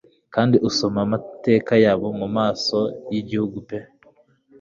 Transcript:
Kandi usome amateka yabo mumaso yigihugu pe